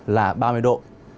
là ba mươi độ